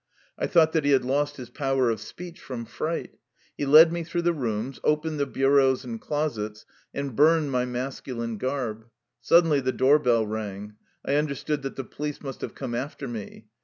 I thought that he had lost his power of speech from fright. He led me through the rooms, opened the bureaus and closets, and burned my masculine garb. Suddenly the door bell rang. I understood that the police must have come after me.